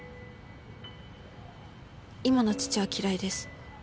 今の父は嫌いです